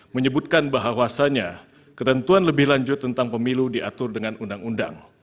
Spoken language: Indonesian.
menyebutkan bahwasannya ketentuan lebih lanjut tentang pemilu diatur dengan undang undang